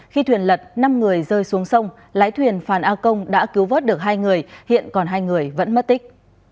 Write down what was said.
khi thuyền lật năm người rơi xuống sông lái thuyền phan a công đã cứu vớt được hai người hiện còn hai người vẫn mất tích